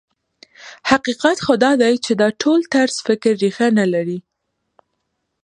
حقیقت خو دا دی چې دا ډول طرز فکر ريښه نه لري.